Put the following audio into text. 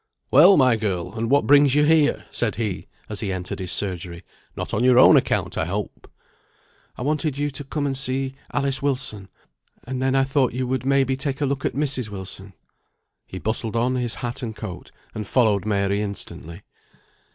"Well, my girl! and what brings you here?" said he, as he entered his surgery. "Not on your own account, I hope." "I wanted you to come and see Alice Wilson, and then I thought you would may be take a look at Mrs. Wilson." He bustled on his hat and coat, and followed Mary instantly.